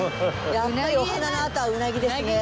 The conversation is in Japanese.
やっぱりお花のあとはうなぎですね。